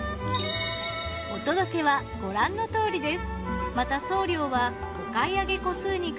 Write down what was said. お届けはご覧のとおりです。